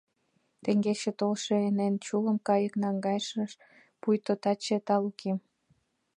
Теҥгече толшо эн-эн чулым кайык Наҥгайыш пуйто таче талукем.